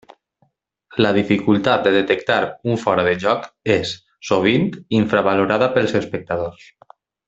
La dificultat de detectar un fora de joc és, sovint, infravalorada pels espectadors.